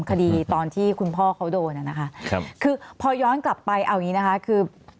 คดีตอนที่คุณพ่อเขาโดนนะคะคือพอย้อนกลับไปเอาอย่างนี้นะคะคือ